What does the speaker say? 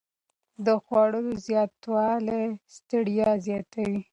د خوړو زیاتوالی ستړیا زیاتوي.